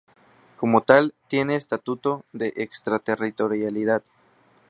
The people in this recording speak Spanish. Como tal, tiene estatuto de extraterritorialidad.